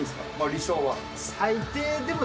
理想は。